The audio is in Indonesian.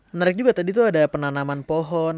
menarik juga tadi tuh ada penanaman pohon